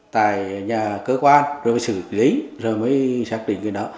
tại nhà cơ quan rồi mới xử lý rồi mới xác định cái đó